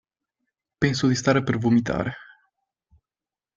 Penso di stare per vomitare.